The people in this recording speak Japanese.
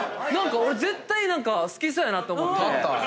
絶対好きそうやなと思って。